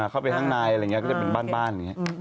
เข้าไปข้างในอะไรอย่างนี้ก็จะเป็นบ้าน